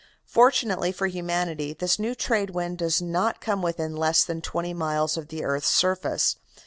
Fortunately for humanity, this new trade wind does not come within less than twenty miles of the earth's surface.